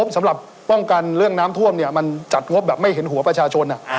สำหรับป้องกันเรื่องน้ำท่วมเนี่ยมันจัดงบแบบไม่เห็นหัวประชาชน